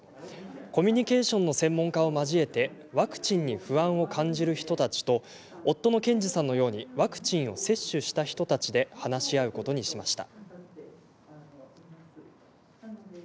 コミュニケーションの専門家を交えてワクチンに不安を感じる人たちと夫のケンジさんのようにワクチンを接種した人たちで話し合うことにしました。